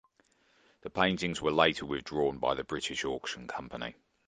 The paintings were later withdrawn by the British auction company.